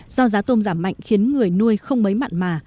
do giá tôm giảm mạnh khiến người nuôi không mấy mặn mà